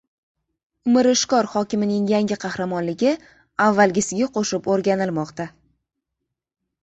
Mirishkor hokimining «yangi qahramonligi» avvalgisiga qo‘shib o‘rganilmoqda